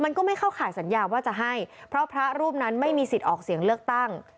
มันก็ไม่เข้าข่ายสัญญาว่าจะให้ก็ไม่มีเสียงเลิกตั้ง